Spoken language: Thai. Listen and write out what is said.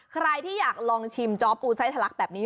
ใครที่อยากลองชิมจอปูไส้ทะลักแบบนี้